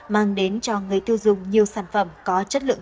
mang đến cho người tiêu dùng nhiều sản phẩm có chất lượng cao